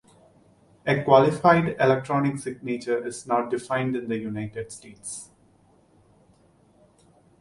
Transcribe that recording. A qualified electronic signature is not defined in the United States.